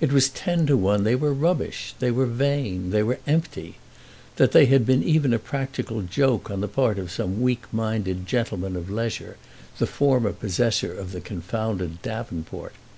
It was ten to one they were rubbish, they were vain, they were empty; that they had been even a practical joke on the part of some weak minded gentleman of leisure, the former possessor of the confounded davenport.